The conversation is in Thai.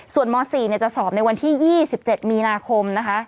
ส่วนม๔จะสอบในวันที่๒๗มีนาคมนะคะ